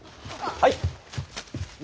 はい？